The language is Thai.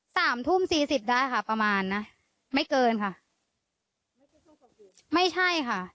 สามทุ่มสี่สิบได้ค่ะประมาณนะไม่เกินค่ะไม่ใช่ค่ะ